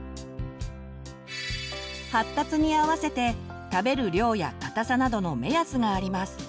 発達に合わせて食べる量や硬さなどの目安があります。